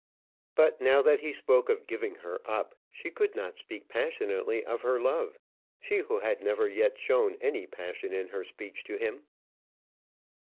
But now that he spoke of giving her up, she could not speak passionately of her love she who had never yet shown any passion in her speech to him.